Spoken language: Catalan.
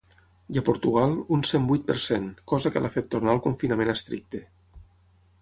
I a Portugal, un cent vuit per cent, cosa que l’ha fet tornar al confinament estricte.